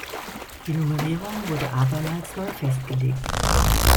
Die Nummerierung wurde abermals neu festgelegt.